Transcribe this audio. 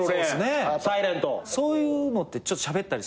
『ｓｉｌｅｎｔ』そういうのってちょっとしゃべったりするの？